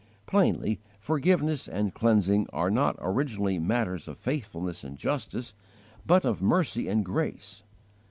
Plainly, forgiveness and cleansing are not originally matters of faithfulness and justice, but of mercy and grace.